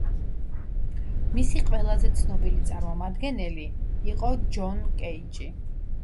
მისი ყველაზე ცნობილი წარმომადგენელი იყო ჯონ კეიჯი.